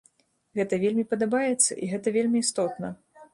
Гэта вельмі падабаецца, і гэта вельмі істотна.